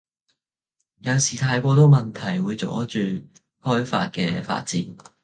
有時太過多問題會阻住開法嘅發展